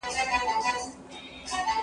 تور په چا پوري کول څومره آسان دی